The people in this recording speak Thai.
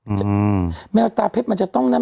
เออดูสิอือมั้ยว่าตาเพศมันจะต้องน่ะ